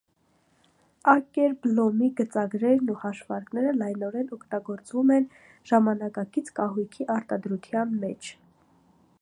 Ակերբլոմի գծագրերն ու հաշվարկները լայնորեն օգտագործվում են ժամանակակից կահույքի արտադրության մեջ։